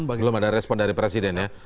belum ada respon dari presiden ya